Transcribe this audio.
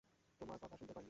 তোমার কথা শুনতে পাইনি।